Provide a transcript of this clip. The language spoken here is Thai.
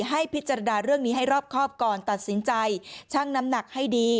ให้พิจารณาเรื่องนี้ให้รอบครอบก่อนตัดสินใจชั่งน้ำหนักให้ดี